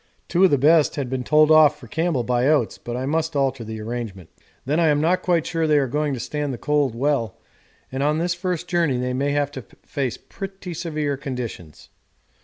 Two of the best had been told off for Campbell by Oates, but I must alter the arrangement. 'Then I am not quite sure they are going to stand the cold well, and on this first journey they may have to face pretty severe conditions.